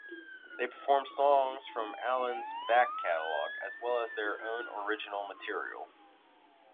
They perform songs from Allin's back catalog as well as their own original material.